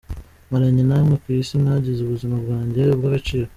maranye namwe ku isi, mwagize ubuzima bwanjye ubwagaciro.